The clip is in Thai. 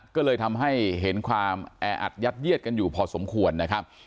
ก็เลยทำให้เห็นความแออัดยัดเยียดกันอยู่พอสมควรนะครับ